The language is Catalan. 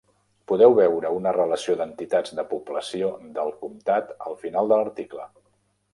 Podeu veure una relació d'entitats de població del comtat al final de l'article.